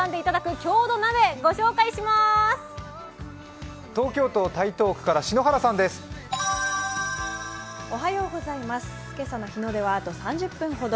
今朝の日の出はあと３０分ほど